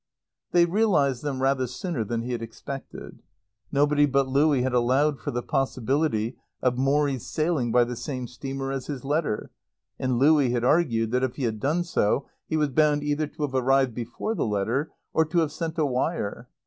They realized them rather sooner than he had expected. Nobody but Louie had allowed for the possibility of Morrie's sailing by the same steamer as his letter; and Louie had argued that, if he had done so, he was bound either to have arrived before the letter or to have sent a wire.